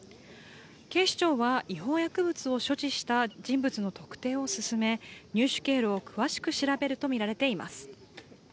警視庁は、違法薬物を所持した人物の特定を進め入手経路を詳しく調べるとみられています。